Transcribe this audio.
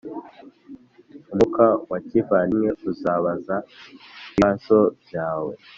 umwuka wa kivandimwe uzabaza ibibazo byawe, -